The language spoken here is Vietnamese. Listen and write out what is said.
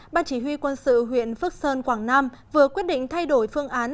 ban chỉ huy quân sự huyện phước sơn quảng nam vừa quyết định thay đổi phương án